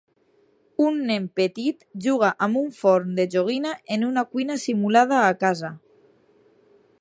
Un nen petit juga amb un forn de joguina en una cuina simulada a casa.